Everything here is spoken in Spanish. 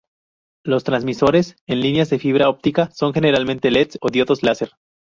Los transmisores en las líneas de fibra óptica son generalmente leds o diodos láser.